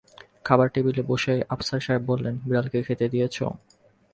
খাবার টেবিলে বসেই আফসার সাহেব বললেন, বিড়ালকে খেতে দিয়েছ?